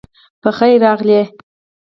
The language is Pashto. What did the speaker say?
پخير راغلې